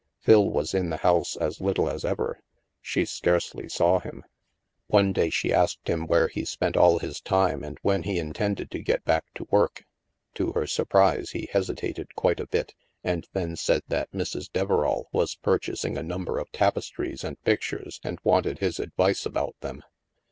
Phil was in the house as little as ever. She scarcely saw him. One day she asked him where he spent all his time, and when he intended to get back to work. To her surprise, he hesitated quite a bit, and then said that Mrs. Deverall was purchasing a nimiber of tapestries and pictures and wanted his advice about them.